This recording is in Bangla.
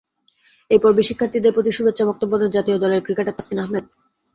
এ পর্বে শিক্ষার্থীদের প্রতি শুভেচ্ছা বক্তব্য দেন জাতীয় দলের ক্রিকেটার তাসকিন আহমেদ।